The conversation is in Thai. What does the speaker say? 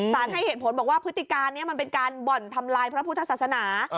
ให้เหตุผลบอกว่าพฤติการนี้มันเป็นการบ่อนทำลายพระพุทธศาสนา